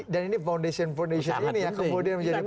dan ini foundation foundation ini ya kemudian menjadi penting